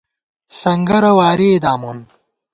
سنگَرہ وارِئےدامون